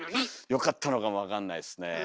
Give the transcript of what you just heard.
よかったのかも分かんないですねえ。